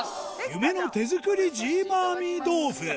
夢の手作りジーマーミ豆腐